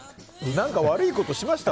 何か悪いことしました？